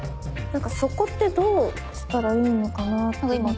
なんかそこってどうしたらいいのかなって。